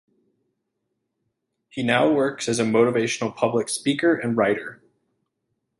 He now works as a motivational public speaker and writer.